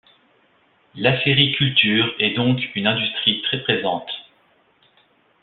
L'acériculture est donc une industrie très présente.